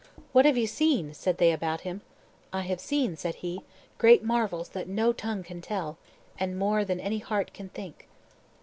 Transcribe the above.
"What have ye seen?" said they about him. "I have seen," said he, "great marvels that no tongue can tell, and more than any heart can think."